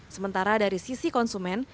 sementara dari sisi konsumen